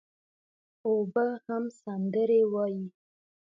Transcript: اوبه هم سندري وايي.